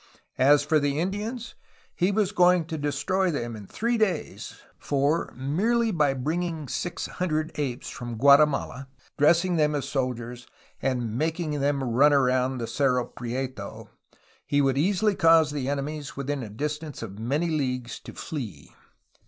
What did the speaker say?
As for the Indians he was going to destroy them in three days, for merely by bringing six hundred apes from Guatemala, dressing them as soldiers, and making them run around the Cerro Prieto he would easily cause the enemies within a distance of many leagues to flee.